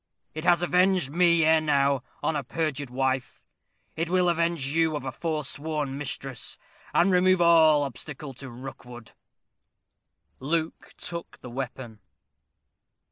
"It has avenged me, ere now, on a perjured wife, it will avenge you of a forsworn mistress, and remove all obstacle to Rookwood." Luke took the weapon.